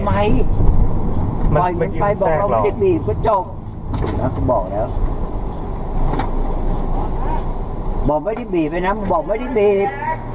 อ๋ออะไรไอ้น้ำไม่บีบใช่ไหมไอ้น้ำบอกไม่ได้บีบไอ้น้ำบอกไม่ได้บีบ